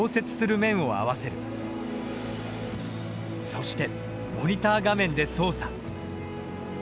そしてモニター画面で操作。